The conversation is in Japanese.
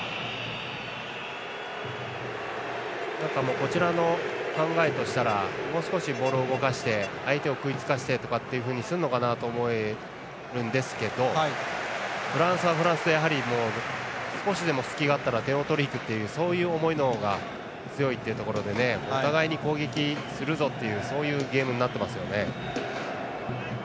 こちらの考えとしてはもう少しボールを動かして相手を食いつかせてというふうにするかなと思えたりするんですけどフランスはフランスでやはり、少しでも隙があったら点を取りにいくというそういう思いの方が強いというところでお互いに攻撃するぞというそういうゲームになってますよね。